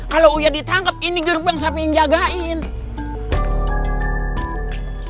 kalo uya ditangkep ini gerbang sapi yang jagain ya